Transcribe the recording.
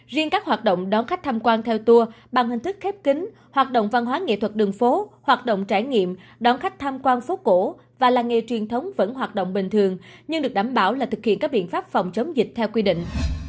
riêng các hoạt động đón khách tham quan theo tour bằng hình thức khép kính hoạt động văn hóa nghệ thuật đường phố hoạt động trải nghiệm đón khách tham quan phố cổ và làng nghề truyền thống vẫn hoạt động bình thường nhưng được đảm bảo là thực hiện các biện pháp phòng chống dịch theo quy định